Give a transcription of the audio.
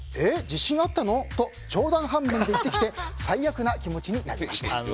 自信あったの？と冗談半分で言ってきて最悪な気持ちになりました。